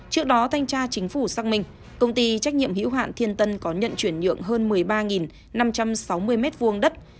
trước đó thanh tra chính phủ xác minh công ty trách nhiệm hữu hạn thiên tân có nhận chuyển nhượng hơn một mươi ba năm trăm sáu mươi m hai đất